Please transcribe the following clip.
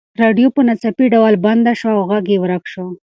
راډیو په ناڅاپي ډول بنده شوه او غږ یې ورک شو.